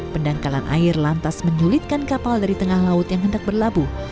pendangkalan air lantas menyulitkan kapal dari tengah laut yang hendak berlabuh